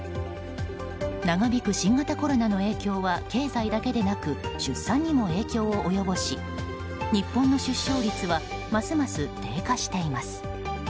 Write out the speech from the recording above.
長引く新型コロナの影響は経済だけでなく出産にも影響を及ぼし日本の出生率はますます低下しています。